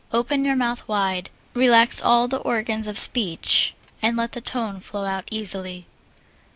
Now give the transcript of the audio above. Open your mouth wide, relax all the organs of speech, and let the tone flow out easily.